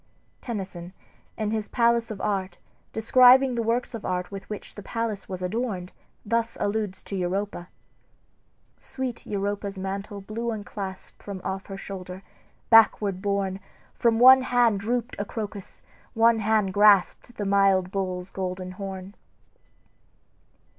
Tennyson, in his "Palace of Art," describing the works of art with which the palace was adorned, thus alludes to Europa: "... sweet Europa's mantle blew unclasped From off her shoulder, backward borne, From one hand drooped a crocus, one hand grasped The mild bull's golden horn."